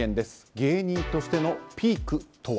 芸人としてのピークとは。